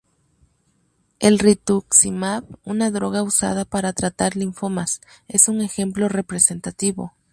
El Rituximab, una droga usada para tratar linfomas, es un ejemplo representativo.